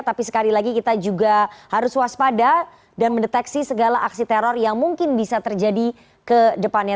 tapi sekali lagi kita juga harus waspada dan mendeteksi segala aksi teror yang mungkin bisa terjadi ke depannya